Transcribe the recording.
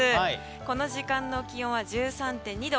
この時間の気温は１３．２度。